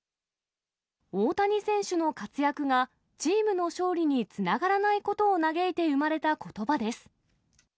大谷選手の活躍がチームの勝利につながらないことを嘆いて生まれたことばです。